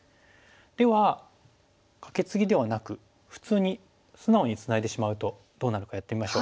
ではカケツギではなく普通に素直にツナいでしまうとどうなるかやってみましょう。